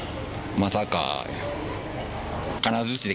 まさか。